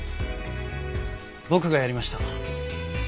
僕がやりました。